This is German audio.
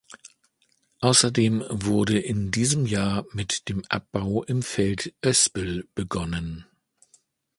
Außerdem wurde in diesem Jahr mit dem Abbau im Feld Oespel begonnen.